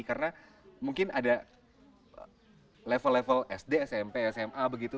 karena mungkin ada level level sd smp sma begitu